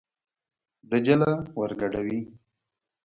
دجله ور ګډوي.